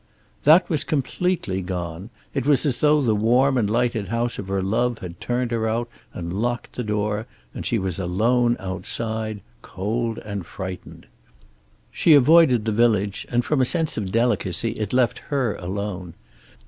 That was completely gone. It was as though the warm and lighted house of her love had turned her out and locked the door, and she was alone outside, cold and frightened. She avoided the village, and from a sense of delicacy it left her alone.